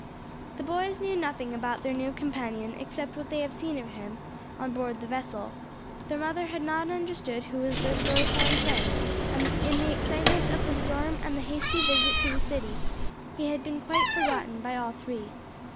The boys knew nothing about their new companion except what they had seen of him on board the vessel; their mother had not understood who was their story telling friend, and in the excitement of the storm and the hasty visit to the city, he had been quite forgotten by all three.